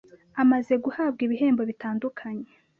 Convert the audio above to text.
amaze guhabwa ibihembo bitandukanye